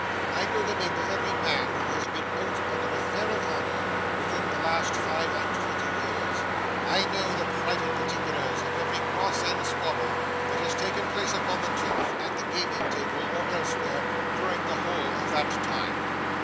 I know the name of every man who has been out on an affair of honour within the last five and twenty years; I know the private particulars of every cross and squabble that has taken place upon the turf, at the gaming table, or elsewhere, during the whole of that time.